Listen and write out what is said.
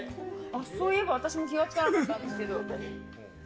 そういえば私も気が付かなかったんですけど。